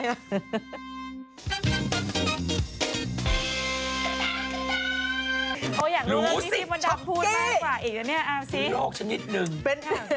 โอ๊ยอยากรู้เรื่องที่พี่พ่อดำพูดมากกว่าอีกแล้วเนี่ยเอาสิ